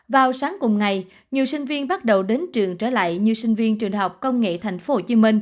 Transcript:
vào sáng cùng ngày nhiều sinh viên bắt đầu đến trường trở lại như sinh viên trường học công nghệ tp hcm